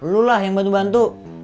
lu lah yang bantu bantu